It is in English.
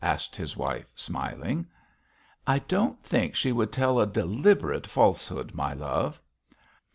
asked his wife, smiling. 'I don't think she would tell a deliberate falsehood, my love.'